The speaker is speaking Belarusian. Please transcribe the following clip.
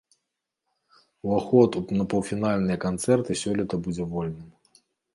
Уваход на паўфінальныя канцэрты сёлета будзе вольным.